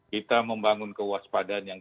kita membangun kewaspadaan yang